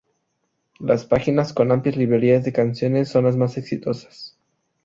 Las páginas con amplias librerías de canciones son las más exitosas.